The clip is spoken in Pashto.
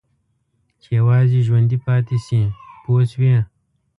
چې یوازې ژوندي پاتې شي پوه شوې!.